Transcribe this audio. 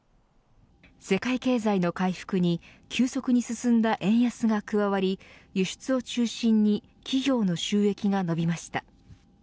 世界経済の回復に急速に進んだ円安が加わり輸出を中心に企業の収益が伸びました。